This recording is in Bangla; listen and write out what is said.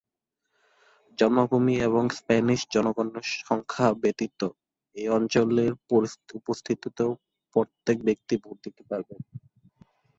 জন্মভূমি এবং স্প্যানিশ জনগণের জনসংখ্যা ব্যতীত, এই অঞ্চলে উপস্থিত প্রত্যেক ব্যক্তি ভোট দিতে পারবেন।